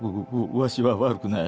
ワシは悪くない。